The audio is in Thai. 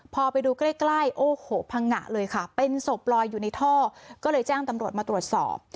พอไปดูใกล้ใกล้โอ้โหพังงะเลยค่ะเป็นศพลอยอยู่ในท่อก็เลยแจ้งตำรวจมาตรวจสอบ